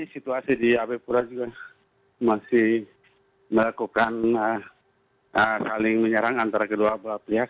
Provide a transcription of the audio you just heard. situasi di abe pura juga masih melakukan saling menyerang antara kedua belah pihak